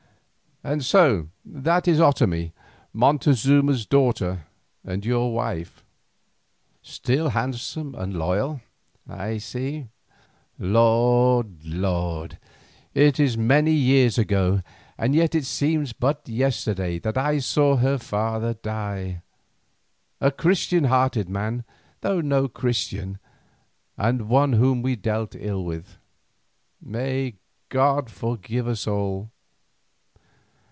And so that is Otomie, Montezuma's daughter and your wife, still handsome and royal, I see. Lord! Lord! it is many years ago, and yet it seems but yesterday that I saw her father die, a Christian hearted man, though no Christian, and one whom we dealt ill with. May God forgive us all!